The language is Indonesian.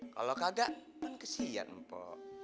kalau kagak kan kesian mpok